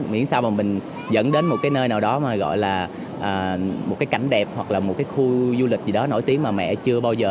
miễn sao mà mình dẫn đến một cái nơi nào đó mà gọi là một cái cảnh đẹp hoặc là một cái khu du lịch gì đó nổi tiếng mà mẹ chưa bao giờ